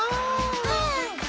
うん！